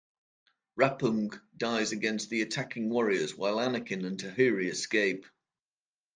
Rapuung dies against the attacking warriors while Anakin and Tahiri escape.